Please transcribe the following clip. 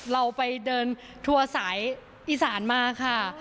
เราไปเดินทัวร์สายอีสานมาค่ะ